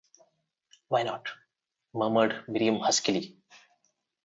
“Why not?” murmured Miriam huskily.